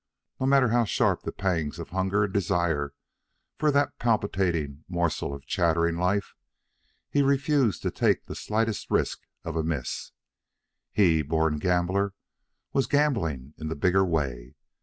No matter how sharp the pangs of hunger and desire for that palpitating morsel of chattering life, he refused to take the slightest risk of a miss. He, born gambler, was gambling in the bigger way.